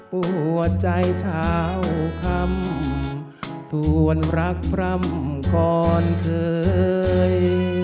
ปวดใจเช้าคำปวนรักพร่ำก่อนเคย